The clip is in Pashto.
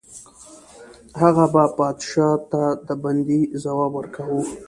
هغه به پادشاه ته د بندي ځواب ورکاوه.